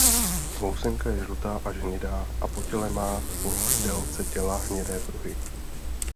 Housenka je žlutá až hnědá a po těle má po délce těla hnědé pruhy.